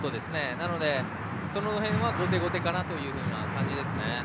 なので、その辺は後手後手かなという感じです。